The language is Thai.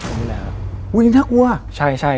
อูวอีกนิดนี้น่ากลัว